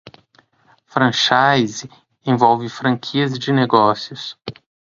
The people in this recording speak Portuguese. Franchise envolve franquias de negócios.